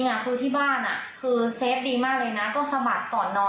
คือที่บ้านคือเซฟดีมากเลยนะก็สะบัดก่อนนอน